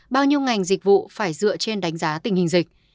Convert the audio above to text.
bao nhiêu ngành dịch vụ phải dựa trên đánh giá tình hình dịch